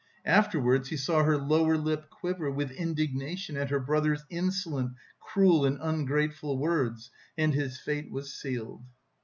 Afterwards he saw her lower lip quiver with indignation at her brother's insolent, cruel and ungrateful words and his fate was sealed.